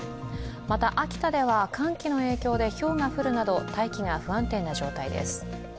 また、秋田では寒気の影響でひょうが降るなど大気が不安定な状態です。